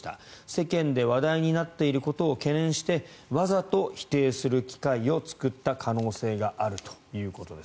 世間で話題になっていることを懸念してわざと否定する機会を作った可能性があるということです。